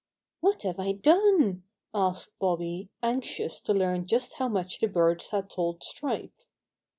*What have I done?" asked Bobby, anxious to learn just how much the birds had told Stripe.